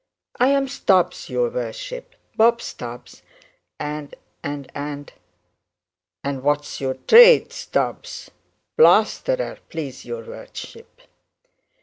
'I'm Stubbs, your worship, Bob Stubbs; and and and ' 'And what's your trade, Stubbs?' 'Plaisterer, please your worship.'